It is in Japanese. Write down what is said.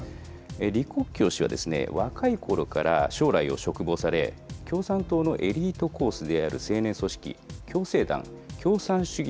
李克強氏は若いころから将来を嘱望され、共産党のエリートコースである青年組織、共青団・共産主義